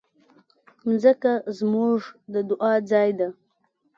مځکه زموږ د دعا ځای ده.